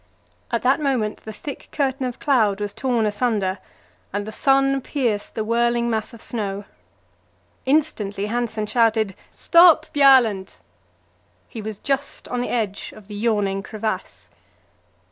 At that moment the thick curtain of cloud was torn asunder, and the sun pierced the whirling mass of snow. Instantly Hanssen shouted: "Stop, Bjaaland!" He was just on the edge of the yawning crevasse.